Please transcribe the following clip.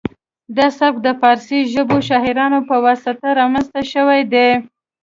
دا سبک د پارسي ژبو شاعرانو په وسیله رامنځته شوی دی